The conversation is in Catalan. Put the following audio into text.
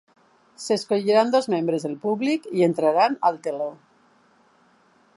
S'escolliran dos membres del públic i entraran al teló.